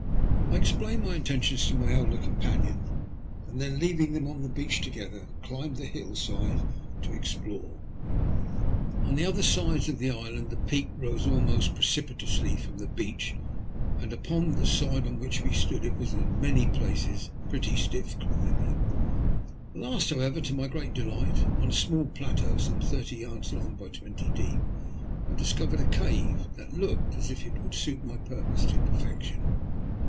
I explained my intentions to my elder companion, and then, leaving them on the beach together, climbed the hill side to explore. On the other sides of the island the peak rose almost precipitously from the beach, and upon the side on which we stood it was, in many places, pretty stiff climbing. At last, however^ to my great delight, on a small plateau some thirty yards long by twenty deep, I discovered a cave that looked as if it would suit my purpose to perfection.